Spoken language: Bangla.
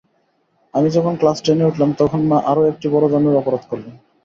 আমি যখন ক্লাস টেনে উঠলাম তখন মা আরও একটি বড় ধরনের অপরাধ করলেন।